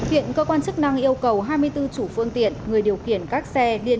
hiện cơ quan chức năng yêu cầu hai mươi bốn chủ phương tiện người điều khiển các xe